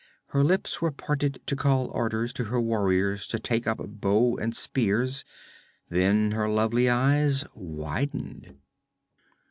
Her lips were parted to call orders to her warriors to take up bow and spears; then her lovely eyes widened.